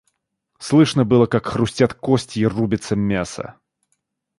Слышно было, как хрустят кости и рубится мясо.